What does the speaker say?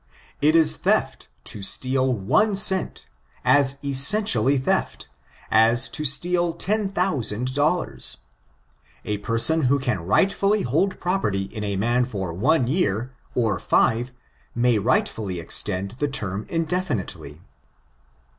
It is thefl to steal one cent, as essentially theft, as to steal ten thousand dollars. A persoti who can Cightfully hold property ii^ a man for one yeat, or five, may rightfully extend the term indefinitely.